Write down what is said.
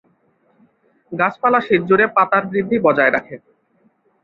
গাছপালা শীত জুড়ে পাতার বৃদ্ধি বজায় রাখে।